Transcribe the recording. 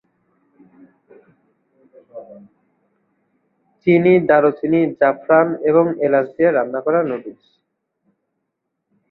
চিনি, দারুচিনি, জাফরান এবং এলাচ দিয়ে রান্না করা নুডলস।